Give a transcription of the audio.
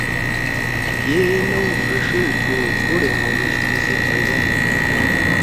کہ اے لؤ ڙݜیل تھُو او بُوڑا ما موش تِسی فئدا ئے بونیِن۔